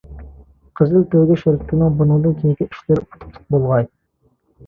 قىزىل تۆگە شىركىتىنىڭ بۇنىڭدىن كېيىنكى ئىشلىرى ئۇتۇقلۇق بولغاي!